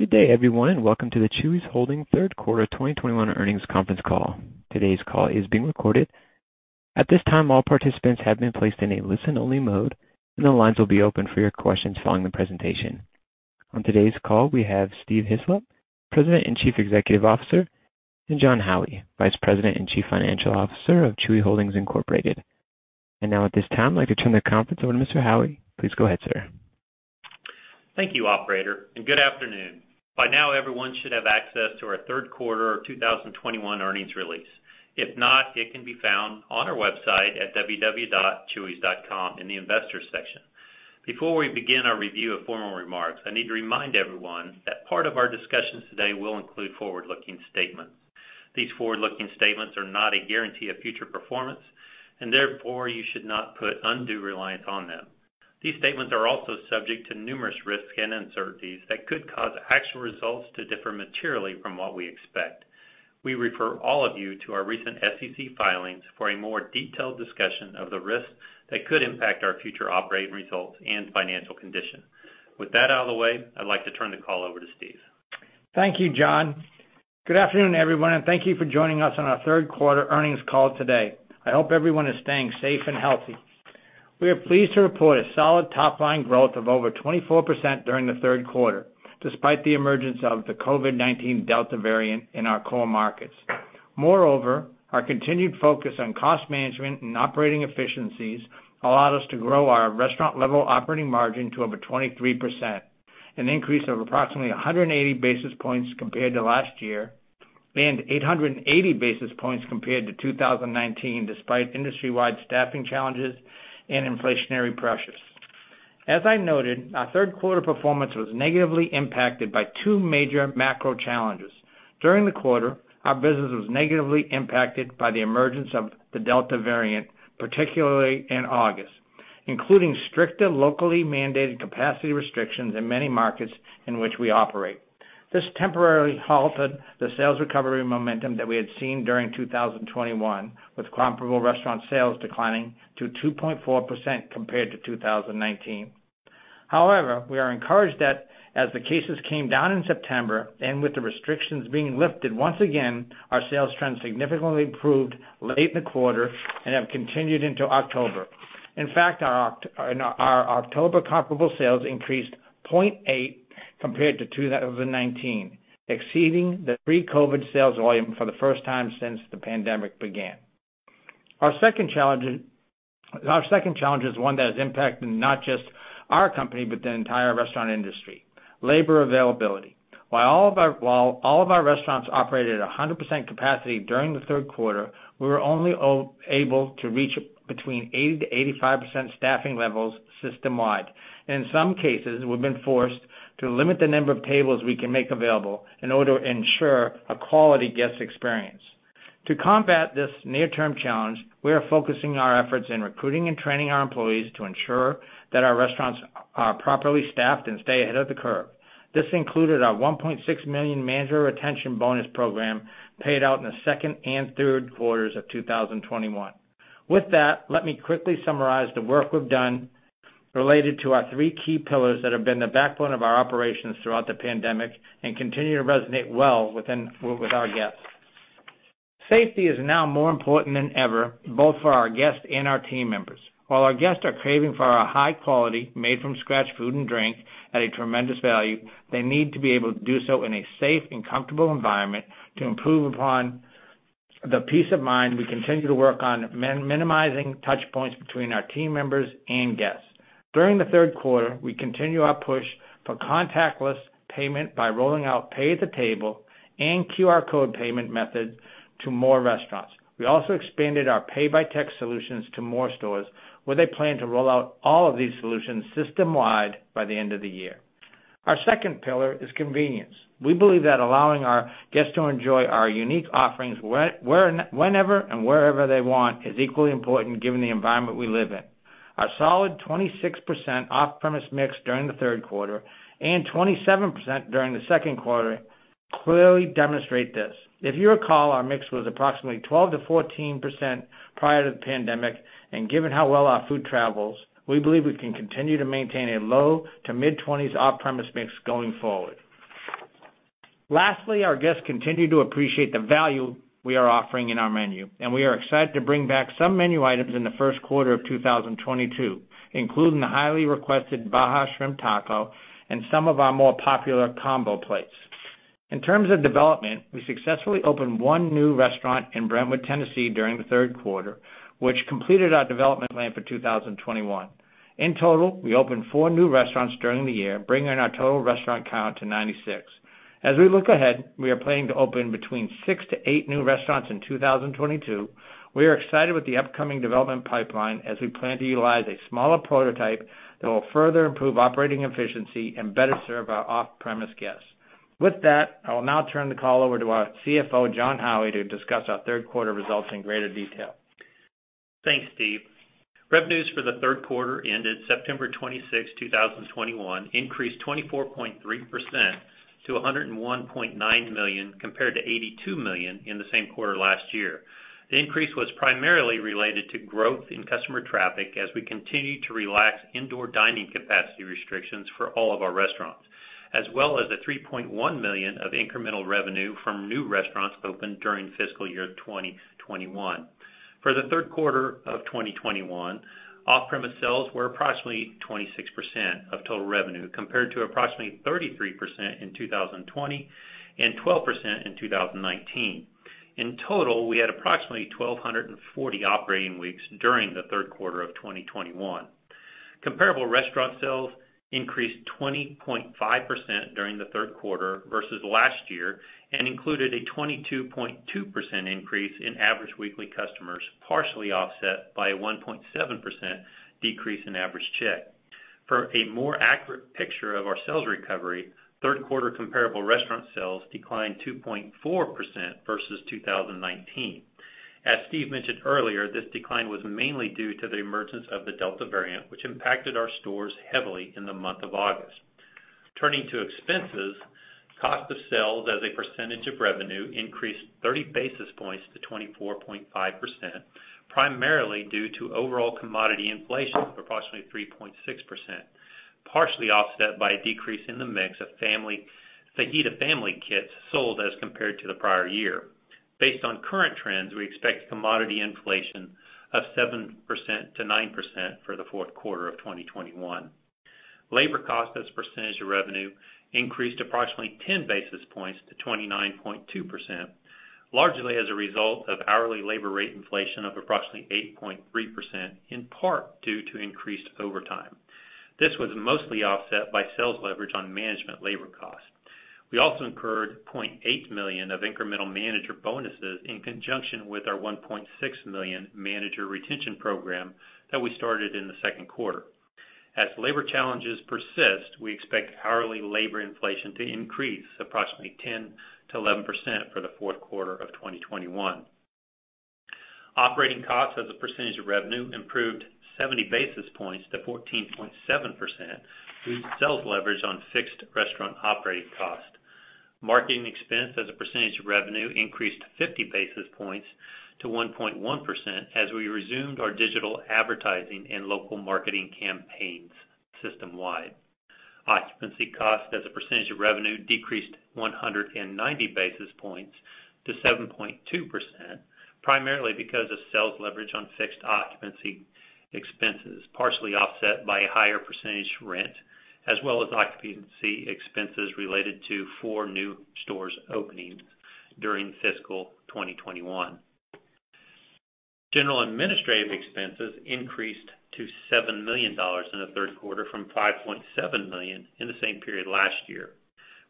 Good day, everyone, and welcome to the Chuy's Holdings third quarter 2021 earnings conference call. Today's call is being recorded. At this time, all participants have been placed in a listen-only mode, and the lines will be open for your questions following the presentation. On today's call, we have Steve Hislop, President and Chief Executive Officer, and Jon Howie, Vice President and Chief Financial Officer of Chuy's Holdings, Inc. Now, at this time, I'd like to turn the conference over to Mr. Howie. Please go ahead, sir. Thank you, operator, and good afternoon. By now, everyone should have access to our third quarter of 2021 earnings release. If not, it can be found on our website at www.chuy's.com in the Investors section. Before we begin our review of formal remarks, I need to remind everyone that part of our discussions today will include forward-looking statements. These forward-looking statements are not a guarantee of future performance, and therefore, you should not put undue reliance on them. These statements are also subject to numerous risks and uncertainties that could cause actual results to differ materially from what we expect. We refer all of you to our recent SEC filings for a more detailed discussion of the risks that could impact our future operating results and financial condition. With that out of the way, I'd like to turn the call over to Steve. Thank you, Jon. Good afternoon, everyone, and thank you for joining us on our third quarter earnings call today. I hope everyone is staying safe and healthy. We are pleased to report a solid top-line growth of over 24% during the third quarter, despite the emergence of the COVID-19 Delta variant in our core markets. Moreover, our continued focus on cost management and operating efficiencies allowed us to grow our restaurant level operating margin to over 23%, an increase of approximately 180 basis points compared to last year and 880 basis points compared to 2019, despite industry-wide staffing challenges and inflationary pressures. Our third quarter performance was negatively impacted by two major macro challenges. During the quarter, our business was negatively impacted by the emergence of the Delta variant, particularly in August, including stricter locally mandated capacity restrictions in many markets in which we operate. This temporarily halted the sales recovery momentum that we had seen during 2021, with comparable restaurant sales declining to 2.4% compared to 2019. However, we are encouraged that as the cases came down in September and with the restrictions being lifted, once again, our sales trends significantly improved late in the quarter and have continued into October. In fact, our October comparable sales increased 0.8% compared to 2019, exceeding the pre-COVID sales volume for the first time since the pandemic began. Our second challenge is one that has impacted not just our company, but the entire restaurant industry, labor availability. While all of our restaurants operated at 100% capacity during the third quarter, we were only able to reach between 80%-85% staffing levels system-wide. In some cases, we've been forced to limit the number of tables we can make available in order to ensure a quality guest experience. To combat this near-term challenge, we are focusing our efforts in recruiting and training our employees to ensure that our restaurants are properly staffed and stay ahead of the curve. This included our $1.6 million manager retention bonus program paid out in the second and third quarters of 2021. With that, let me quickly summarize the work we've done related to our three key pillars that have been the backbone of our operations throughout the pandemic and continue to resonate well with our guests. Safety is now more important than ever, both for our guests and our team members. While our guests are craving for our high quality, made from scratch food and drink at a tremendous value, they need to be able to do so in a safe and comfortable environment to improve upon the peace of mind we continue to work on minimizing touchpoints between our team members and guests. During the third quarter, we continue our push for contactless payment by rolling out pay at the table and QR code payment method to more restaurants. We also expanded our pay-by-text solutions to more stores, where they plan to roll out all of these solutions system-wide by the end of the year. Our second pillar is convenience. We believe that allowing our guests to enjoy our unique offerings whenever and wherever they want is equally important given the environment we live in. Our solid 26% off-premise mix during the third quarter and 27% during the second quarter clearly demonstrate this. If you recall, our mix was approximately 12%-14% prior to the pandemic, and given how well our food travels, we believe we can continue to maintain a low-to-mid-20s off-premise mix going forward. Lastly, our guests continue to appreciate the value we are offering in our menu, and we are excited to bring back some menu items in the first quarter of 2022, including the highly requested Baja Shrimp Taco and some of our more popular combo plates. In terms of development, we successfully opened one new restaurant in Brentwood, Tennessee during the third quarter, which completed our development plan for 2021. In total, we opened four new restaurants during the year, bringing our total restaurant count to 96. As we look ahead, we are planning to open between six to eight new restaurants in 2022. We are excited with the upcoming development pipeline as we plan to utilize a smaller prototype that will further improve operating efficiency and better serve our off-premise guests. With that, I will now turn the call over to our CFO, Jon Howie, to discuss our third quarter results in greater detail. Thanks, Steve. Revenues for the third quarter ended September 26, 2021 increased 24.3% to $101.9 million compared to $82 million in the same quarter last year. The increase was primarily related to growth in customer traffic as we continue to relax indoor dining capacity restrictions for all of our restaurants, as well as the $3.1 million of incremental revenue from new restaurants opened during fiscal year 2021. For the third quarter of 2021, off-premise sales were approximately 26% of total revenue, compared to approximately 33% in 2020 and 12% in 2019. In total, we had approximately 1,240 operating weeks during the third quarter of 2021. Comparable restaurant sales increased 20.5% during the third quarter versus last year and included a 22.2% increase in average weekly customers, partially offset by a 1.7% decrease in average check. For a more accurate picture of our sales recovery, third quarter comparable restaurant sales declined 2.4% versus 2019. As Steve mentioned earlier, this decline was mainly due to the emergence of the Delta variant, which impacted our stores heavily in the month of August. Turning to expenses, cost of sales as a percentage of revenue increased 30 basis points to 24.5%, primarily due to overall commodity inflation of approximately 3.6%, partially offset by a decrease in the mix of fajita family kits sold as compared to the prior year. Based on current trends, we expect commodity inflation of 7%-9% for the fourth quarter of 2021. Labor cost as a percentage of revenue increased approximately 10 basis points to 29.2%, largely as a result of hourly labor rate inflation of approximately 8.3%, in part due to increased overtime. This was mostly offset by sales leverage on management labor costs. We also incurred $0.8 million of incremental manager bonuses in conjunction with our $1.6 million manager retention program that we started in the second quarter. As labor challenges persist, we expect hourly labor inflation to increase approximately 10%-11% for the fourth quarter of 2021. Operating costs as a percentage of revenue improved 70 basis points to 14.7% due to sales leverage on fixed restaurant operating costs. Marketing expense as a percentage of revenue increased 50 basis points to 1.1% as we resumed our digital advertising and local marketing campaigns system-wide. Occupancy cost as a percentage of revenue decreased 190 basis points to 7.2%, primarily because of sales leverage on fixed occupancy expenses, partially offset by a higher percentage rent, as well as occupancy expenses related to four new stores opening during fiscal 2021. General administrative expenses increased to $7 million in the third quarter from $5.7 million in the same period last year,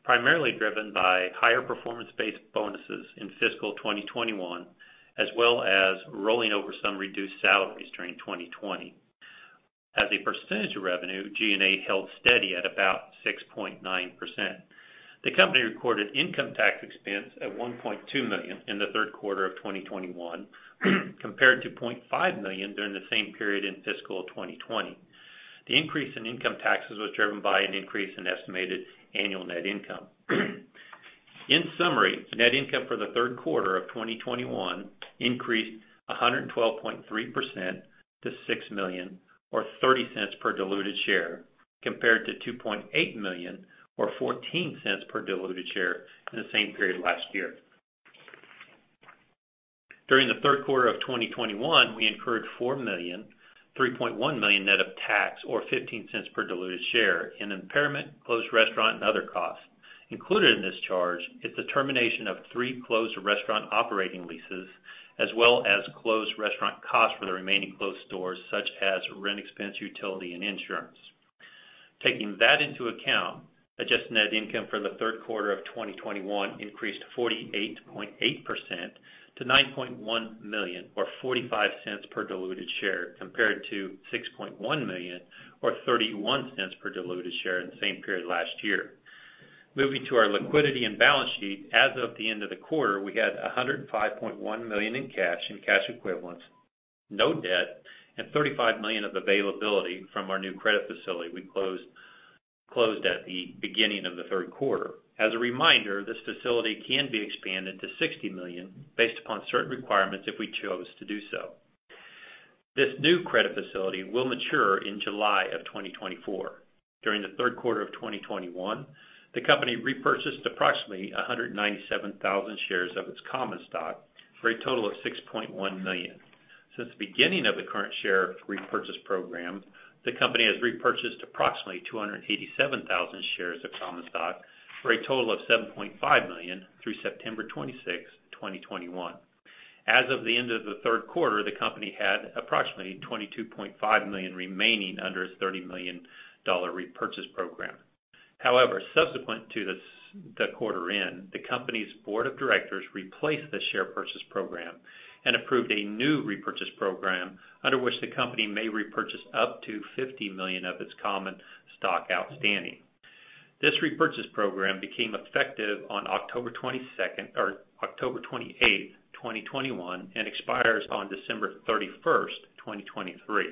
primarily driven by higher performance-based bonuses in fiscal 2021, as well as rolling over some reduced salaries during 2020. As a percentage of revenue, G&A held steady at about 6.9%. The company recorded income tax expense at $1.2 million in the third quarter of 2021 compared to $0.5 million during the same period in fiscal 2020. The increase in income taxes was driven by an increase in estimated annual net income. In summary, net income for the third quarter of 2021 increased 112.3% to $6 million or $0.30 per diluted share, compared to $2.8 million or $0.14 per diluted share in the same period last year. During the third quarter of 2021, we incurred $4 million, $3.1 million net of tax, or $0.15 per diluted share in impairment, closed restaurant and other costs. Included in this charge is the termination of three closed restaurant operating leases, as well as closed restaurant costs for the remaining closed stores, such as rent expense, utility, and insurance. Taking that into account, adjusted net income for the third quarter of 2021 increased 48.8% to $9.1 million or $0.45 per diluted share, compared to $6.1 million or $0.31 per diluted share in the same period last year. Moving to our liquidity and balance sheet, as of the end of the quarter, we had $105.1 million in cash and cash equivalents, no debt, and $35 million of availability from our new credit facility we closed at the beginning of the third quarter. As a reminder, this facility can be expanded to $60 million based upon certain requirements if we chose to do so. This new credit facility will mature in July 2024. During the third quarter of 2021, the company repurchased approximately 197,000 shares of its common stock for a total of $6.1 million. Since the beginning of the current share repurchase program, the company has repurchased approximately 287,000 shares of common stock for a total of $7.5 million through September 26, 2021. As of the end of the third quarter, the company had approximately $22.5 million remaining under its $30 million repurchase program. However, subsequent to the quarter end, the company's board of directors replaced the share repurchase program and approved a new repurchase program under which the company may repurchase up to $50 million of its common stock outstanding. This repurchase program became effective on October 22 or October 28, 2021, and expires on December 31, 2023.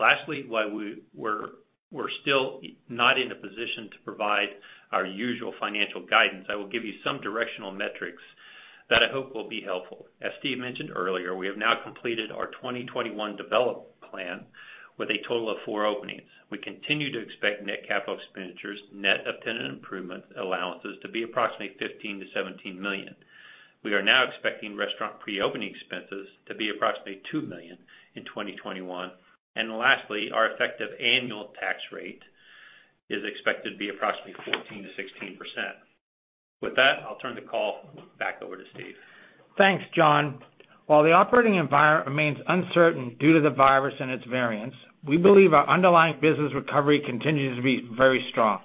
Lastly, while we're still not in a position to provide our usual financial guidance, I will give you some directional metrics that I hope will be helpful. As Steve mentioned earlier, we have now completed our 2021 development plan with a total of four openings. We continue to expect net capital expenditures, net of tenant improvement allowances to be approximately $15 million-$17 million. We are now expecting restaurant pre-opening expenses to be approximately $2 million in 2021. Lastly, our effective annual tax rate is expected to be approximately 14%-16%. With that, I'll turn the call back over to Steve. Thanks, Jon. While the operating environment remains uncertain due to the virus and its variants, we believe our underlying business recovery continues to be very strong.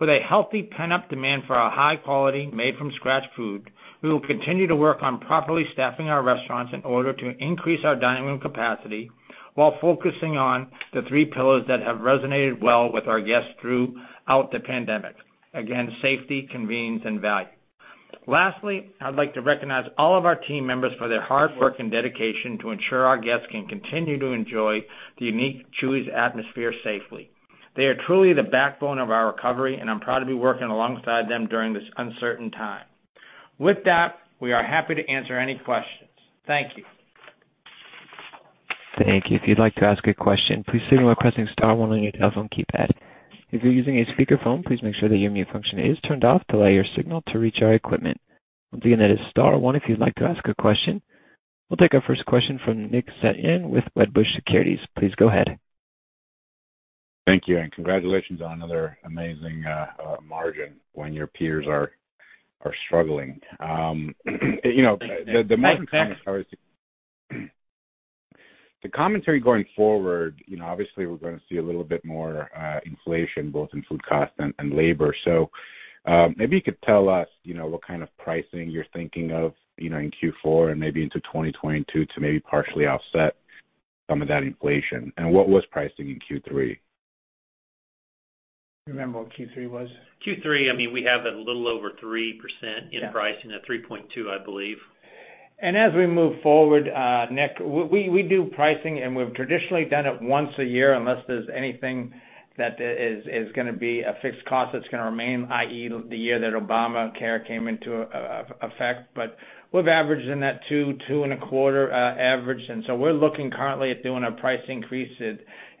With a healthy pent-up demand for our high quality made from scratch food, we will continue to work on properly staffing our restaurants in order to increase our dining room capacity while focusing on the three pillars that have resonated well with our guests throughout the pandemic. Again, safety, convenience, and value. Lastly, I'd like to recognize all of our team members for their hard work and dedication to ensure our guests can continue to enjoy the unique Chuy's atmosphere safely. They are truly the backbone of our recovery, and I'm proud to be working alongside them during this uncertain time. With that, we are happy to answer any questions. Thank you. Thank you. If you'd like to ask a question, please signal by pressing star one on your telephone keypad. If you're using a speakerphone, please make sure that your mute function is turned off to allow your signal to reach our equipment. Again, that is star one if you'd like to ask a question. We'll take our first question from Nick Setyan with Wedbush Securities. Please go ahead. Thank you, and congratulations on another amazing margin when your peers are struggling. You know, the margin- Thanks, Nick. The commentary going forward, you know, obviously we're going to see a little bit more inflation both in food costs and labor. Maybe you could tell us, you know, what kind of pricing you're thinking of, you know, in Q4 and maybe into 2022 to maybe partially offset some of that inflation. What was pricing in Q3? Remember what Q3 was? Q3, I mean, we have a little over 3% in pricing, at 3.2, I believe. As we move forward, Nick, we do pricing and we've traditionally done it once a year unless there's anything that is gonna be a fixed cost that's gonna remain, i.e., the year that Obamacare came into effect. We've averaged in that 2-2.25 average. We're looking currently at doing a price increase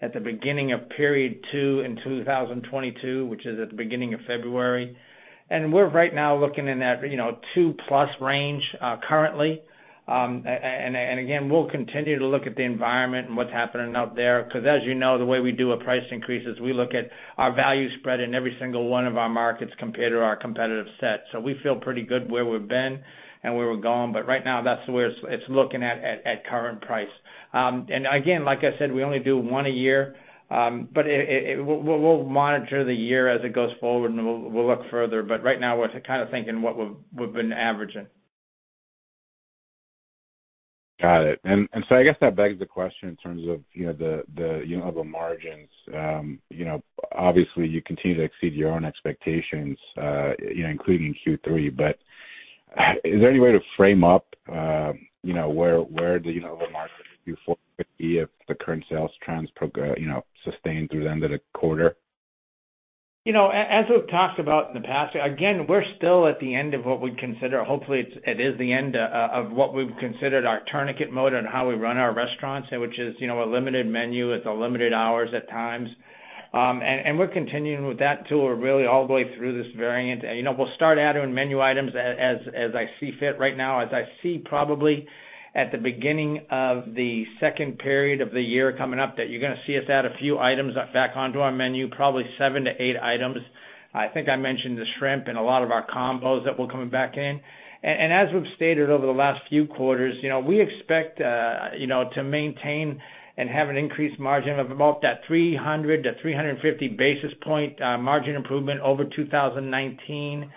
at the beginning of period two in 2022, which is at the beginning of February. We're right now looking in that, you know, 2+ range, currently. We continue to look at the environment and what's happening out there, because as you know, the way we do a price increase is we look at our value spread in every single one of our markets compared to our competitive set. We feel pretty good where we've been and where we're going. Right now that's where it's looking at current price. Again, like I said, we only do one a year. We'll monitor the year as it goes forward and we'll look further. Right now we're kind of thinking what we've been averaging. Got it. I guess that begs the question in terms of, you know, the margins. You know, obviously you continue to exceed your own expectations, you know, including in Q3. Is there any way to frame up, you know, where the margins could be if the current sales trends sustain through the end of the quarter? You know, as we've talked about in the past, again, we're still at the end of what we consider, it is the end of what we've considered our tourniquet mode and how we run our restaurants, which is, you know, a limited menu with the limited hours at times. We're continuing with that tool really all the way through this variant. You know, we'll start adding menu items as I see fit right now, as I see probably at the beginning of the second period of the year coming up, that you're gonna see us add a few items back onto our menu, probably seven to eight items. I think I mentioned the shrimp and a lot of our combos that were coming back in. As we've stated over the last few quarters, you know, we expect, you know, to maintain and have an increased margin of about that 300-350 basis point margin improvement over 2019.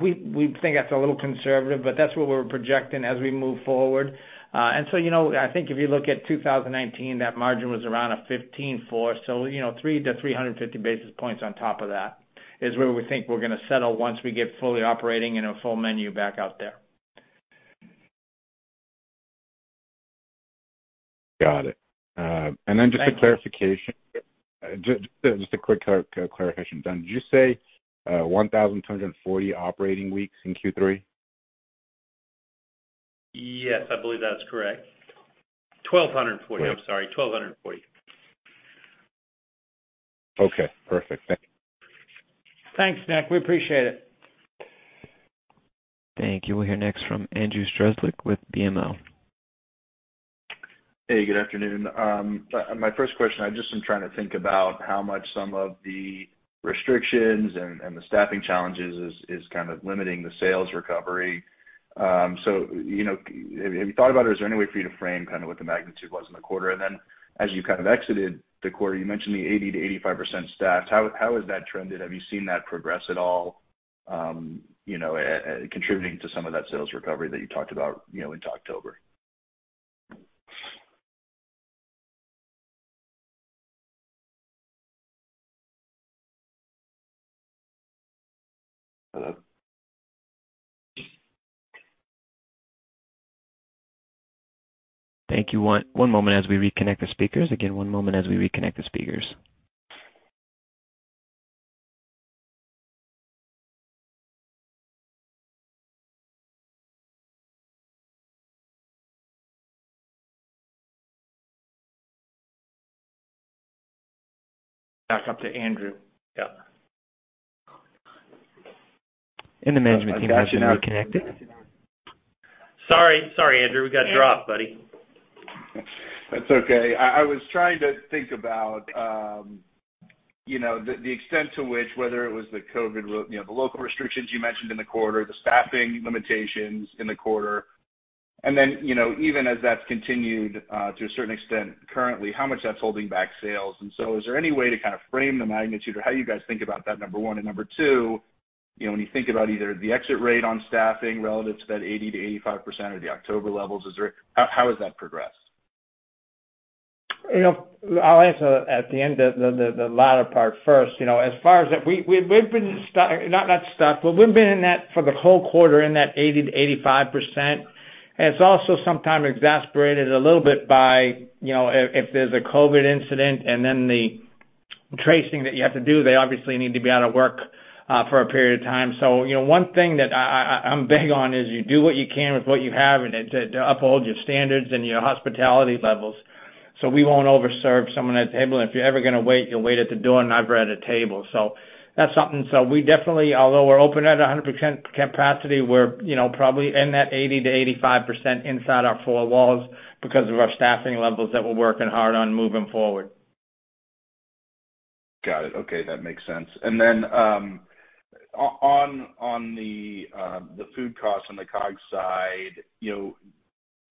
We think that's a little conservative, but that's what we're projecting as we move forward. You know, I think if you look at 2019, that margin was around 15.4%. 300-350 basis points on top of that is where we think we're gonna settle once we get fully operating and a full menu back out there. Got it. Thank you. Just a quick clarification, Jon, did you say 1,240 operating weeks in Q3? Yes, I believe that's correct. I'm sorry. 1,240. Okay, perfect. Thank you. Thanks, Nick. We appreciate it. Thank you. We'll hear next from Andrew Strelzik with BMO. Hey, good afternoon. My first question, I just am trying to think about how much some of the restrictions and the staffing challenges is kind of limiting the sales recovery. You know, have you thought about or is there any way for you to frame kind of what the magnitude was in the quarter? And then as you kind of exited the quarter, you mentioned the 80%-85% staffed. How has that trended? Have you seen that progress at all, you know, contributing to some of that sales recovery that you talked about, you know, into October? Thank you. One, one moment as we reconnect the speakers. Again, one moment as we reconnect the speakers. Back up to Andrew. Yeah. The management team has been reconnected. Sorry, Andrew. We got dropped, buddy. That's okay. I was trying to think about, you know, the extent to which, whether it was the COVID, you know, the local restrictions you mentioned in the quarter, the staffing limitations in the quarter. You know, even as that's continued, to a certain extent currently, how much that's holding back sales. Is there any way to kind of frame the magnitude or how you guys think about that, number one? Number two, you know, when you think about either the exit rate on staffing relative to that 80%-85% of the October levels, is there? How has that progressed? You know, I'll answer at the end the latter part first. You know, as far as that, we've been not stuck, but we've been in that for the whole quarter in that 80%-85%. It's also sometimes exasperated a little bit by, you know, if there's a COVID incident and then the tracing that you have to do, they obviously need to be out of work for a period of time. You know, one thing that I'm big on is you do what you can with what you have and to uphold your standards and your hospitality levels. We won't overserve someone at a table. If you're ever gonna wait, you'll wait at the door, never at a table. That's something. We definitely, although we're open at 100% capacity, we're, you know, probably in that 80%-85% inside our four walls because of our staffing levels that we're working hard on moving forward. Got it. Okay, that makes sense. On the food costs on the COGS side, you know,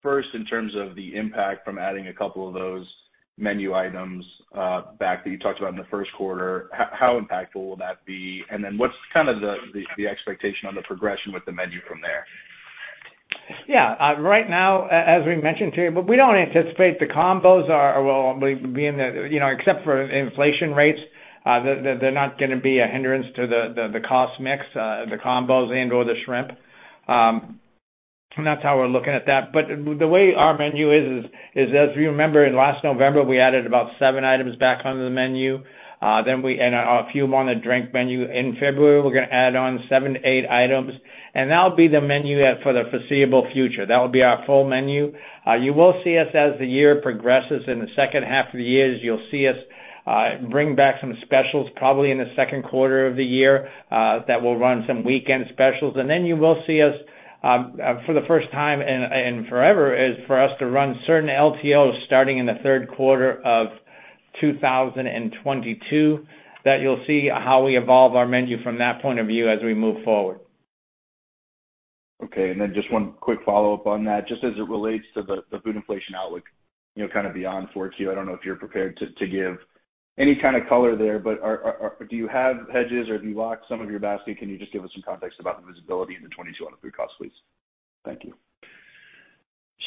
first in terms of the impact from adding a couple of those menu items back that you talked about in the first quarter, how impactful will that be? What's kind of the expectation on the progression with the menu from there? Yeah. Right now, as we mentioned to you, but we don't anticipate the combos are, well, being that, you know, except for inflation rates, they're not gonna be a hindrance to the cost mix, the combos and/or the shrimp. And that's how we're looking at that. The way our menu is, as you remember in last November, we added about seven items back onto the menu, and a few on the drink menu. In February, we're gonna add on seven to eight items, and that'll be the menu for the foreseeable future. That will be our full menu. You will see us as the year progresses, in the second half of the year, you'll see us bring back some specials probably in the second quarter of the year that will run some weekend specials. Then you will see us, for the first time in forever, is for us to run certain LTOs starting in the third quarter of 2022, that you'll see how we evolve our menu from that point of view as we move forward. Okay. Just one quick follow-up on that, just as it relates to the food inflation outlook, you know, kind of beyond 4Q. I don't know if you're prepared to give any kind of color there, but do you have hedges or have you locked some of your basket? Can you just give us some context about the visibility in 2022 on the food cost, please? Thank you.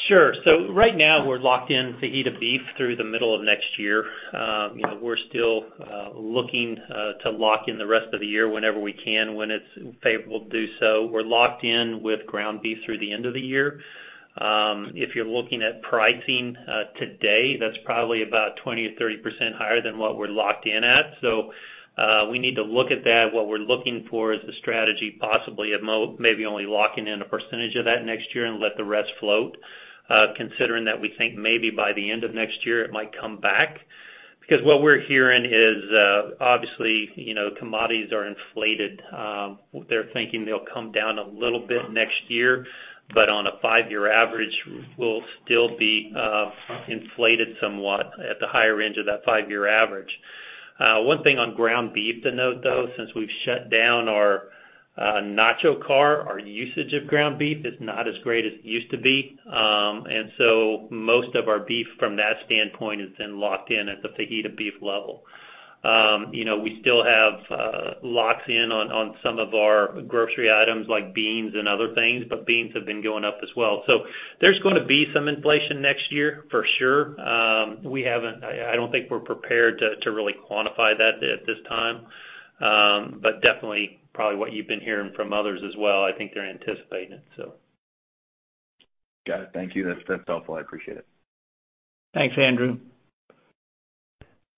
Sure. Right now we're locked in fajita beef through the middle of next year. We're still looking to lock in the rest of the year whenever we can, when it's favorable to do so. We're locked in with ground beef through the end of the year. If you're looking at pricing today, that's probably about 20%-30% higher than what we're locked in at. We need to look at that. What we're looking for is a strategy, possibly of maybe only locking in a percentage of that next year and let the rest float, considering that we think maybe by the end of next year it might come back. Because what we're hearing is, obviously, you know, commodities are inflated. They're thinking they'll come down a little bit next year, but on a five-year average, we'll still be inflated somewhat at the higher end of that five-year average. One thing on ground beef to note, though, since we've shut down our Nacho Car, our usage of ground beef is not as great as it used to be. Most of our beef from that standpoint has been locked in at the fajita beef level. You know, we still have locks in on some of our grocery items like beans and other things, but beans have been going up as well. There's gonna be some inflation next year for sure. I don't think we're prepared to really quantify that at this time. Definitely probably what you've been hearing from others as well, I think they're anticipating it. Got it. Thank you. That's helpful. I appreciate it. Thanks, Andrew. Thank you.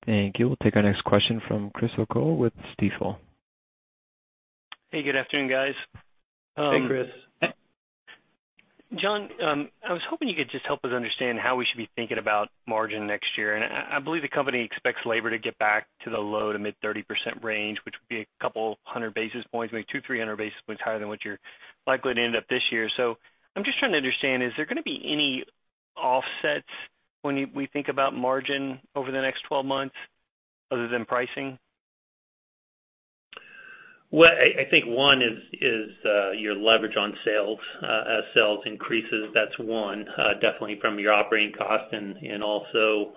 We'll take our next question from Chris O'Cull with Stifel. Hey, good afternoon, guys. Hey, Chris. Jon, I was hoping you could just help us understand how we should be thinking about margin next year. I believe the company expects labor to get back to the low- to mid-30% range, which would be a couple hundred basis points, maybe 200-300 basis points higher than what you're likely to end up this year. I'm just trying to understand, is there gonna be any offsets when we think about margin over the next 12 months other than pricing? Well, I think one is your leverage on sales. As sales increases, that's one definitely from your operating cost and also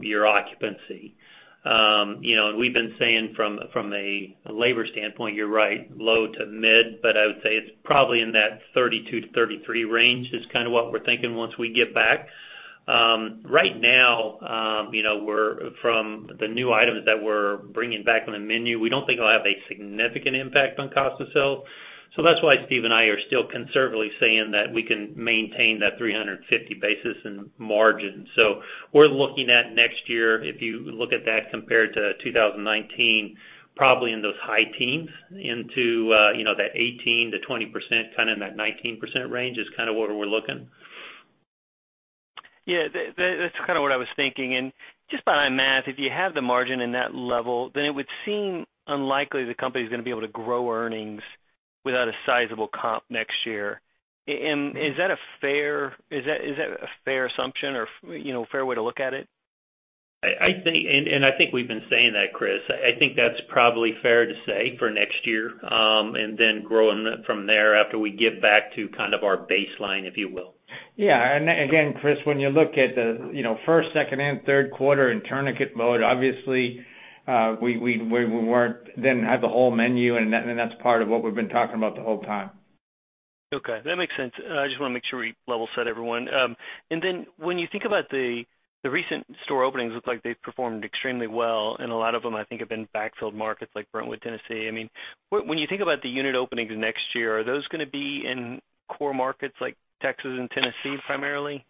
your occupancy. We've been saying from a labor standpoint, you're right, low to mid, but I would say it's probably in that 32%-33% range is kind of what we're thinking once we get back. Right now, from the new items that we're bringing back on the menu, we don't think it'll have a significant impact on cost of sales. So that's why Steve and I are still conservatively saying that we can maintain that 350 basis points in margin. We're looking at next year, if you look at that compared to 2019, probably in those high teens into that 18%-20%, kind of in that 19% range is kind of where we're looking. Yeah. That's kind of what I was thinking. Just by my math, if you have the margin in that level, then it would seem unlikely the company's gonna be able to grow earnings without a sizable comp next year. Is that a fair assumption or, you know, fair way to look at it? I think we've been saying that, Chris. I think that's probably fair to say for next year, and then growing from there after we get back to kind of our baseline, if you will. Yeah. Again, Chris, when you look at the, you know, first, second, and third quarter in tourniquet mode, obviously, we didn't have the whole menu, and that's part of what we've been talking about the whole time. Okay. That makes sense. I just wanna make sure we level set everyone. When you think about the recent store openings, looks like they've performed extremely well, and a lot of them, I think, have been backfilled markets like Brentwood, Tennessee. I mean, when you think about the unit openings next year, are those gonna be in core markets like Texas and Tennessee primarily?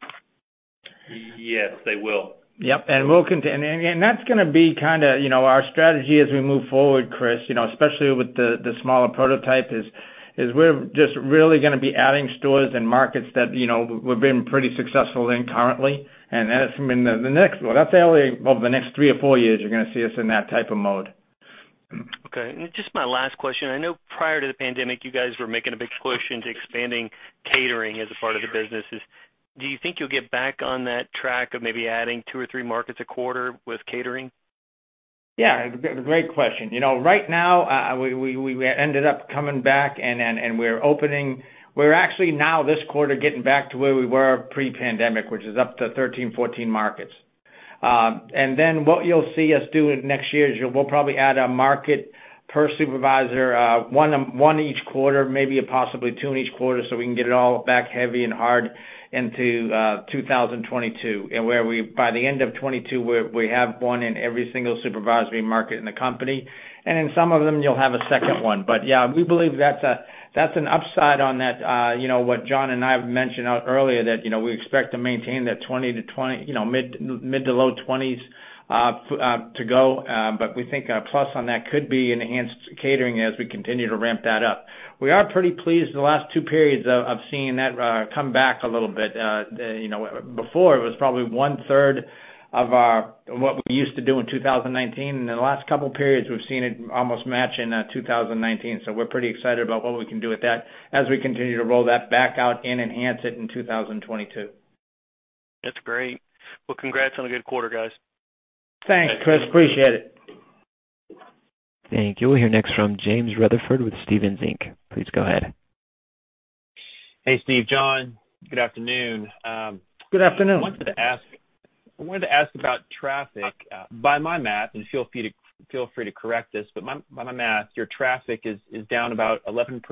Yes, they will. Yep. That's gonna be kinda, you know, our strategy as we move forward, Chris, you know, especially with the smaller prototype, is we're just really gonna be adding stores and markets that, you know, we're being pretty successful in currently. That's for the next, well, I'd say, over the next three or four years, you're gonna see us in that type of mode. Okay. Just my last question. I know prior to the pandemic, you guys were making a big push into expanding catering as a part of the businesses. Do you think you'll get back on that track of maybe adding two or three markets a quarter with catering? Yeah. Great question. You know, right now, we ended up coming back and we're actually now this quarter getting back to where we were pre-pandemic, which is up to 13, 14 markets. Then what you'll see us do next year is we'll probably add a market per supervisor, one each quarter, maybe possibly two in each quarter, so we can get it all back heavy and hard into 2022. By the end of 2022, we have one in every single supervisory market in the company. In some of them, you'll have a second one. Yeah, we believe that's an upside on that, you know, what Jon and I have mentioned earlier, that, you know, we expect to maintain that 20 to 20, you know, mid- to low-20s to go. We think a plus on that could be enhanced catering as we continue to ramp that up. We are pretty pleased the last two periods of seeing that come back a little bit. You know, before it was probably 1/3 of our what we used to do in 2019. In the last couple of periods, we've seen it almost matching 2019. We're pretty excited about what we can do with that as we continue to roll that back out and enhance it in 2022. That's great. Well, congrats on a good quarter, guys. Thanks, Chris. Appreciate it. Thank you. Thank you. We'll hear next from James Rutherford with Stephens Inc. Please go ahead. Hey, Steve, Jon. Good afternoon. Good afternoon. I wanted to ask about traffic. By my math, and feel free to correct this, but by my math, your traffic is down about 11%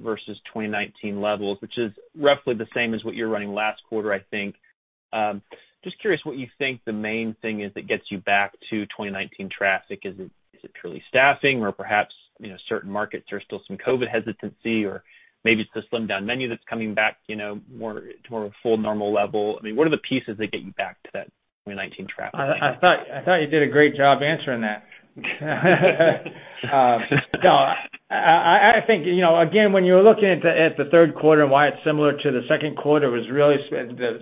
versus 2019 levels, which is roughly the same as what you're running last quarter, I think. Just curious what you think the main thing is that gets you back to 2019 traffic. Is it purely staffing or perhaps, you know, certain markets, there's still some COVID hesitancy or maybe it's the slimmed down menu that's coming back, you know, more to a full normal level. I mean, what are the pieces that get you back to that 2019 traffic? I thought you did a great job answering that. No. I think, you know, again, when you're looking at the third quarter and why it's similar to the second quarter was really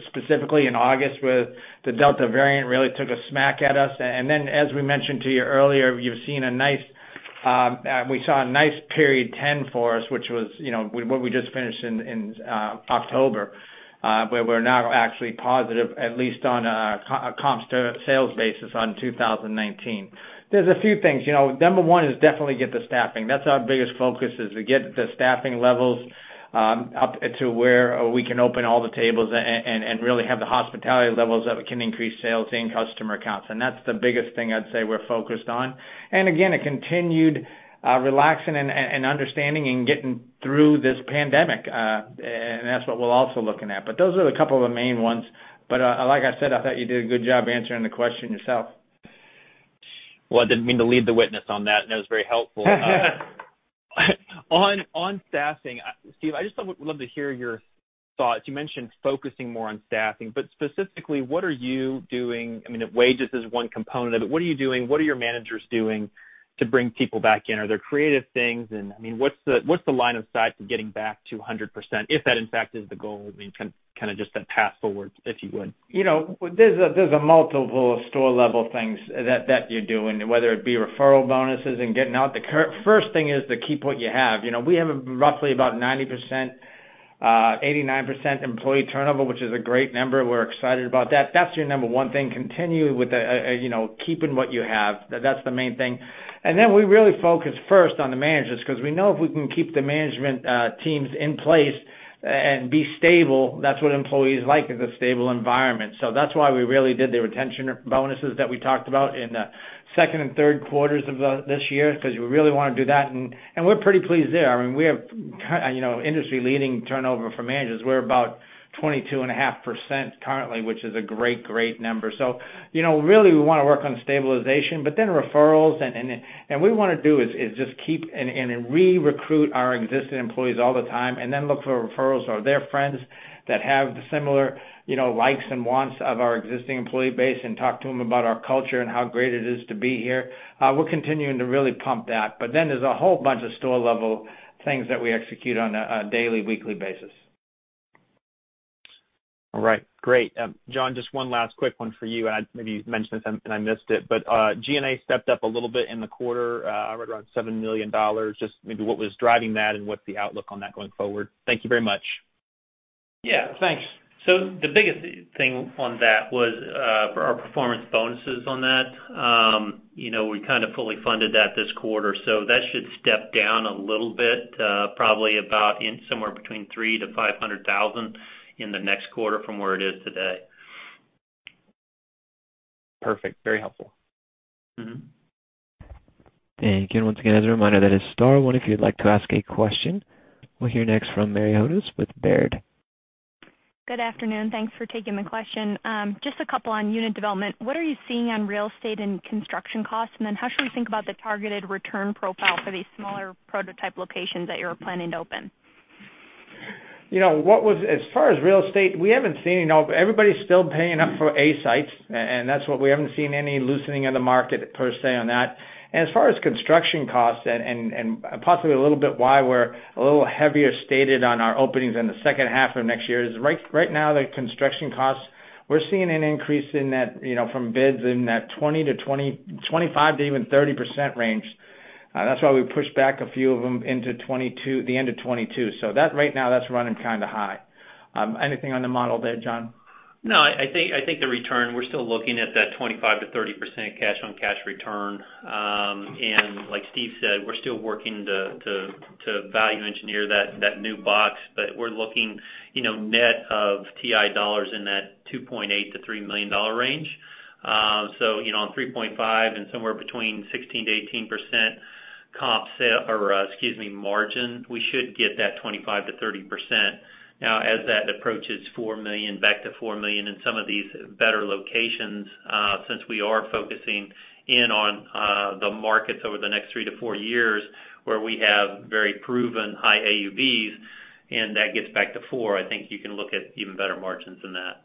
specifically in August with the Delta variant really took a smack at us. As we mentioned to you earlier, you've seen a nice, we saw a nice period 10 for us, which was, you know, what we just finished in October, where we're now actually positive, at least on a comp sales basis on 2019. There's a few things. You know, number one is definitely get the staffing. That's our biggest focus is to get the staffing levels up to where we can open all the tables and really have the hospitality levels that we can increase sales and customer counts. That's the biggest thing I'd say we're focused on. Again, a continued relaxing and understanding and getting through this pandemic. That's what we're also looking at. Those are the couple of the main ones. Like I said, I thought you did a good job answering the question yourself. Well, I didn't mean to lead the witness on that. That was very helpful. On staffing, Steve, I just would love to hear your thoughts. You mentioned focusing more on staffing, but specifically, what are you doing? I mean, wages is one component of it. What are you doing? What are your managers doing to bring people back in? Are there creative things? I mean, what's the line of sight to getting back to 100%, if that, in fact, is the goal? I mean, kind of just that path forward, if you would. You know, there's multiple store level things that you're doing, whether it be referral bonuses. First thing is to keep what you have. You know, we have roughly about 90%, 89% employee turnover, which is a great number. We're excited about that. That's your number one thing, continue with the keeping what you have. That's the main thing. Then we really focus first on the managers 'cause we know if we can keep the management teams in place and be stable, that's what employees like, is a stable environment. That's why we really did the retention bonuses that we talked about in the second and third quarters of this year, 'cause we really wanna do that. We're pretty pleased there. I mean, we have you know, industry-leading turnover for managers. We're about 22.5% currently, which is a great number. You know, really we wanna work on stabilization, but then referrals. We wanna do is just keep and recruit our existing employees all the time, and then look for referrals or their friends that have the similar you know, likes and wants of our existing employee base, and talk to them about our culture and how great it is to be here. We're continuing to really pump that. Then there's a whole bunch of store-level things that we execute on a daily, weekly basis. All right. Great. Jon, just one last quick one for you, and maybe you've mentioned this and I missed it. G&A stepped up a little bit in the quarter, right around $7 million. Just maybe what was driving that and what's the outlook on that going forward? Thank you very much. The biggest thing on that was our performance bonuses on that. You know, we kind of fully funded that this quarter, so that should step down a little bit, probably about in somewhere between $300,000-$500,000 in the next quarter from where it is today. Perfect. Very helpful. Mm-hmm. Thank you. Once again, as a reminder, that is star one if you'd like to ask a question. We'll hear next from Mary Hodes with Baird. Good afternoon. Thanks for taking the question. Just a couple on unit development. What are you seeing on real estate and construction costs? How should we think about the targeted return profile for these smaller prototype locations that you're planning to open? You know, as far as real estate, we haven't seen, you know, everybody's still paying up for A sites, and that's what we haven't seen any loosening of the market per se on that. As far as construction costs and possibly a little bit why we're a little heavier slated on our openings in the second half of next year is right now, the construction costs, we're seeing an increase in that, you know, from bids in that 20 to 25 to even 30% range. That's why we pushed back a few of them into 2022, the end of 2022. That right now, that's running kinda high. Anything on the model there, Jon? No, I think the return, we're still looking at that 25%-30% cash-on-cash return. Like Steve said, we're still working to value engineer that new box. We're looking, you know, net of TI dollars in that $2.8 million-$3 million range. You know, on $3.5 million and somewhere between 16%-18% comp sale or, excuse me, margin, we should get that 25%-30%. Now as that approaches $4 million, back to $4 million in some of these better locations, since we are focusing in on the markets over the next three to four years where we have very proven high AUVs, and that gets back to $4 million, I think you can look at even better margins than that.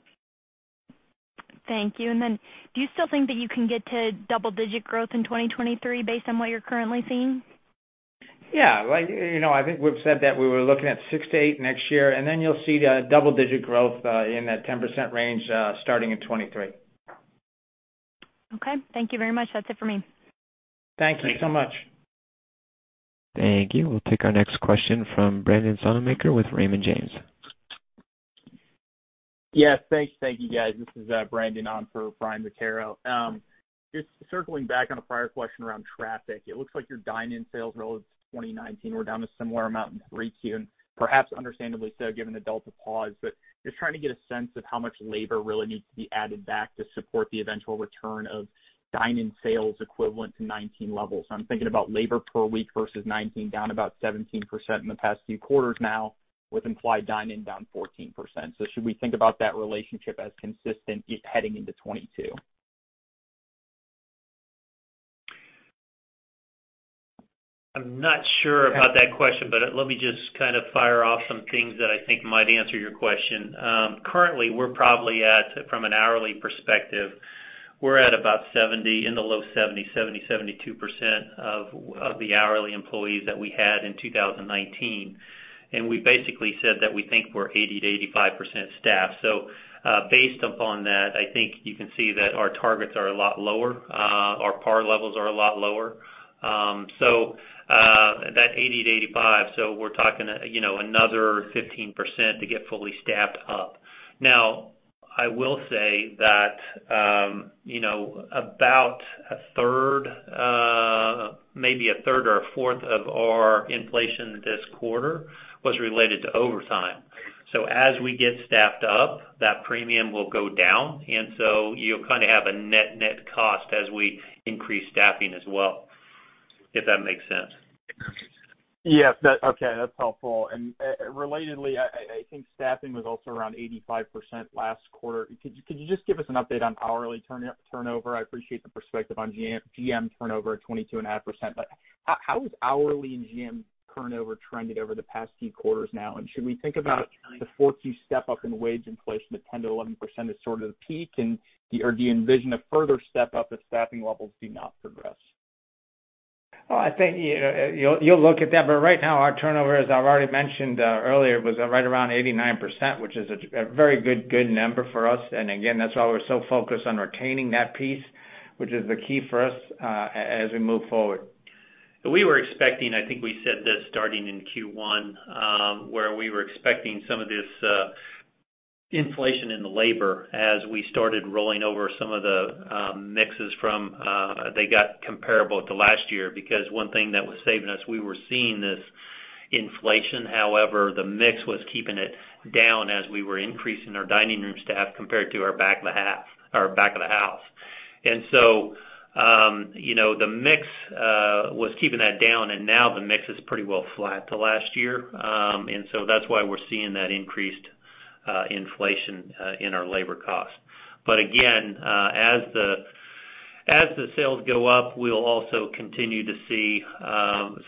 Thank you. Do you still think that you can get to double-digit growth in 2023 based on what you're currently seeing? Yeah. Like, you know, I think we've said that we were looking at six to eight next year, and then you'll see the double-digit growth in that 10% range starting in 2023. Okay. Thank you very much. That's it for me. Thank you so much. Thank you. We'll take our next question from Brandon Sonnemaker with Raymond James. Yes. Thanks. Thank you, guys. This is Brandon on for Brian Vaccaro. Just circling back on a prior question around traffic. It looks like your dine-in sales relative to 2019 were down a similar amount in 3Q, and perhaps understandably so given the Delta pause. Just trying to get a sense of how much labor really needs to be added back to support the eventual return of dine-in sales equivalent to 2019 levels. I'm thinking about labor per week versus 2019, down about 17% in the past few quarters now, with implied dine-in down 14%. Should we think about that relationship as consistent heading into 2022? I'm not sure about that question, but let me just kind of fire off some things that I think might answer your question. Currently, we're probably at, from an hourly perspective, we're at about 70, in the low 70s, 70%-72% of the hourly employees that we had in 2019. We basically said that we think we're 80%-85% staffed. Based upon that, I think you can see that our targets are a lot lower, our par levels are a lot lower. That 80%-85%, we're talking, you know, another 15% to get fully staffed up. Now, I will say that, you know, about 1/3, maybe 1/3 or 1/4 of our inflation this quarter was related to overtime. As we get staffed up, that premium will go down. You'll kind of have a net cost as we increase staffing as well, if that makes sense. Yes. Okay, that's helpful. Relatedly, I think staffing was also around 85% last quarter. Could you just give us an update on hourly turnover? I appreciate the perspective on GM turnover at 22.5%. But how has hourly and GM turnover trended over the past few quarters now? Should we think about the 4Q step-up in wage inflation of 10%-11% as sort of the peak, or do you envision a further step-up if staffing levels do not progress? Well, I think you'll look at that, but right now, our turnover, as I've already mentioned, earlier, was right around 89%, which is a very good number for us. Again, that's why we're so focused on retaining that piece, which is the key for us, as we move forward. We were expecting. I think we said this starting in Q1, where we were expecting some of this inflation in the labor as we started rolling over some of the mixes from when they got comparable to last year. One thing that was saving us, we were seeing this inflation. However, the mix was keeping it down as we were increasing our dining room staff compared to our back of the house. You know, the mix was keeping that down, and now the mix is pretty well flat to last year. That's why we're seeing that increased inflation in our labor cost. But again, as the sales go up, we'll also continue to see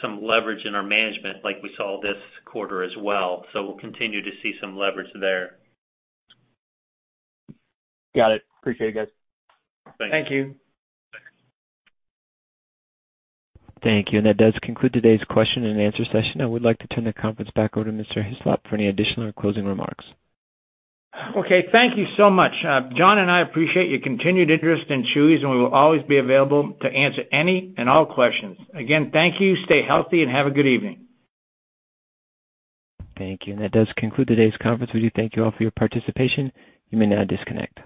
some leverage in our management like we saw this quarter as well. We'll continue to see some leverage there. Got it. Appreciate it, guys. Thank you. Thank you. That does conclude today's question and answer session. I would like to turn the conference back over to Mr. Hislop for any additional or closing remarks. Okay. Thank you so much. Jon and I appreciate your continued interest in Chuy's, and we will always be available to answer any and all questions. Again, thank you, stay healthy, and have a good evening. Thank you. That does conclude today's conference. We do thank you all for your participation. You may now disconnect.